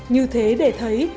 như thế để thấy